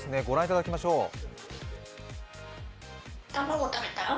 御覧いただきましょう。